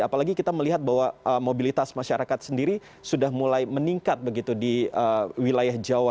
apalagi kita melihat bahwa mobilitas masyarakat sendiri sudah mulai meningkat begitu di wilayah jawa